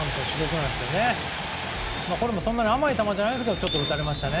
これもそんなに甘い球じゃないですけど打たれましたね。